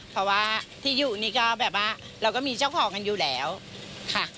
เพราะว่าที่อยู่นี่ก็แบบว่าเราก็มีเจ้าของกันอยู่แล้วค่ะ